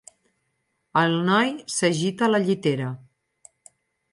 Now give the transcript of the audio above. El noi s'agita a la llitera.